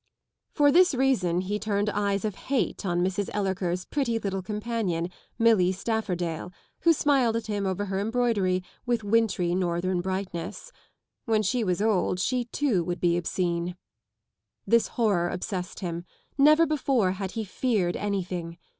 For this reason he turned eyes of hate on Mrs. Ellerker' s pretty little companion, Milly Stafordale, who smiled at him over her embroidery with wintry northern brightness. When she was old she too would be obscene. This horror ohssessed him. Never before had he feared anything.